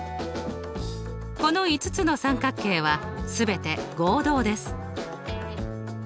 この５つの三角形は全て合同です。